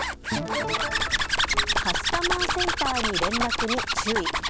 カスタマーセンターに連絡に注意。